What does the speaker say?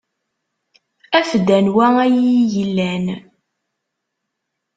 Af-d anwa ay iyi-ilan.